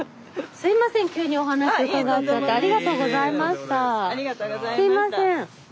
すみません。